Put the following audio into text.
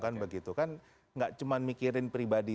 kan tidak cuma mikirin pribadi